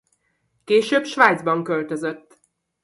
Később Svájcban költözött.